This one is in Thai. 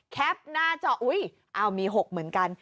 หน้าจออุ๊ยเอามี๖เหมือนกัน